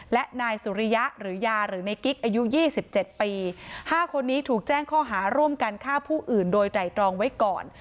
และนายสุริยะหรือยาหรือในกิ๊กอายุ๒๗ปี๕คนนี้ถูกแจ้งข้อหาร่วมกันฆ่าผู้อื่นโดยไตรตรองไว้ก่อน